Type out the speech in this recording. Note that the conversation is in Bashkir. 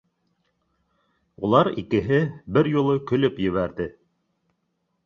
У лар икеһе бер юлы көлөп ебәрҙе